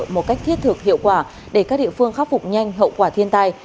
một cách thiết thực hiệu quả để các địa phương khắc phục nhanh hậu quả thiên tai